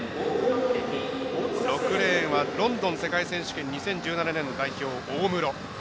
６レーンはロンドン世界選手権２０１７年度代表、大室。